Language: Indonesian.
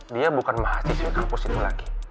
dia bukan mahasiswi kampus itu lagi